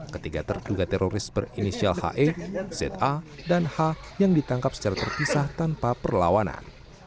ketiga terduga teroris berinisial he za dan h yang ditangkap secara terpisah tanpa perlawanan